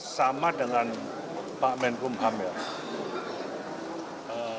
sama dengan pak menkum ham ya